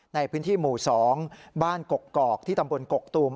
ในพื้นที่หมู่๒บ้านกกอกที่ตำบลกกตูม